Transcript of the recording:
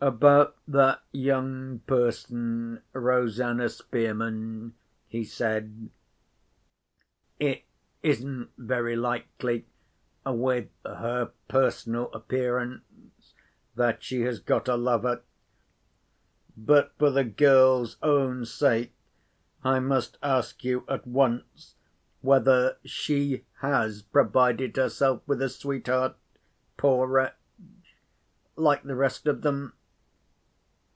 "About that young person, Rosanna Spearman?" he said. "It isn't very likely, with her personal appearance, that she has got a lover. But, for the girl's own sake, I must ask you at once whether she has provided herself with a sweetheart, poor wretch, like the rest of them?"